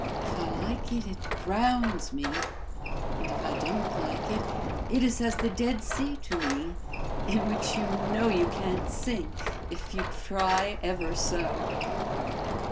If I like it, it drowns me; and, if I don't like it, it is as the Dead Sea to me, in which you know you can't sink, if you try ever so."